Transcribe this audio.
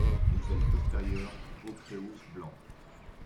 Les ailes postérieures ochreous blanc.